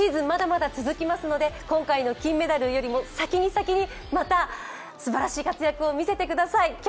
まだまだ続きますので今回の金メダルよりも先に先に、またすばらしい活躍を見せてください。